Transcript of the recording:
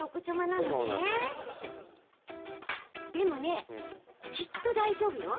でもねきっと大丈夫よ。